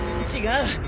違う。